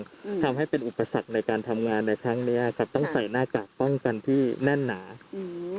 อืมทำให้เป็นอุปสรรคในการทำงานในครั้งเนี้ยครับต้องใส่หน้ากากป้องกันที่แน่นหนาอืม